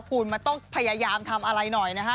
คุณมันต้องพยายามทำอะไรหน่อยนะฮะ